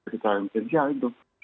kita harus menjelaskan itu